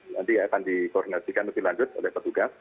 nanti akan dikoordinasikan lebih lanjut oleh petugas